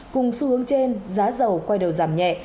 cùng xu hướng trên giá dầu quay đầu giảm nhẹ